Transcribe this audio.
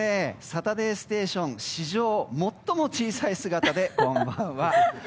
「サタデーステーション」史上最も小さい姿でこんばんは。